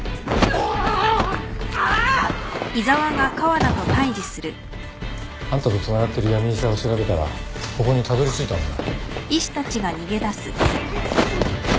うわ。あんたとつながってる闇医者を調べたらここにたどりついたんだよ。